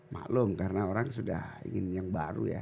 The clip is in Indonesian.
maklum karena orang sudah ingin yang baru ya